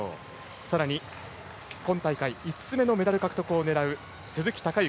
さらに、今大会５つ目のメダル獲得を狙う鈴木孝幸。